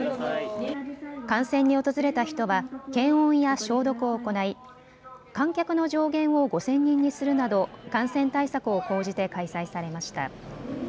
観戦に訪れた人は検温や消毒を行い観客の上限を５０００人にするなど感染対策を講じて開催されました。